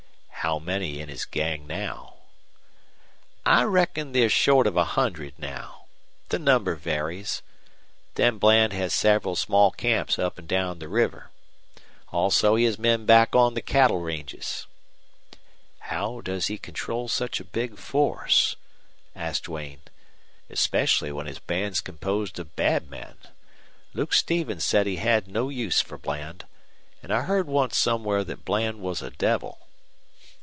"How many in his gang now?" "I reckon there's short of a hundred now. The number varies. Then Bland has several small camps up an' down the river. Also he has men back on the cattle ranges." "How does he control such a big force?" asked Duane. "Especially when his band's composed of bad men. Luke Stevens said he had no use for Bland. And I heard once somewhere that Bland was a devil."